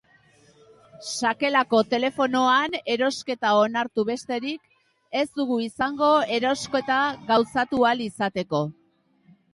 Sakelako telefonoan erosketa onartu besterik ez dugu izango erosketa gauzatu ahal izateko.